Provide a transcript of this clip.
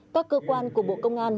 các cơ quan của bộ công an